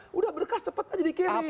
sudah berkas cepat saja dikirim